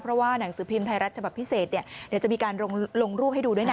เพราะว่าหนังสือพิมพ์ไทยรัฐฉบับพิเศษเนี่ยเดี๋ยวจะมีการลงรูปให้ดูด้วยนะ